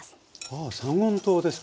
ああ三温糖ですか。